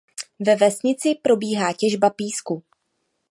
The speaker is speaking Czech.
Ve vesnici probíhá těžba písků.